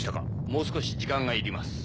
もう少し時間がいります。